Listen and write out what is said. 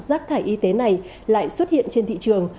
rác thải y tế này lại xuất hiện trên thị trường